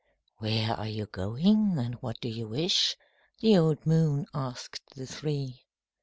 "Where are you going, and what do you wish?" The old moon asked the three.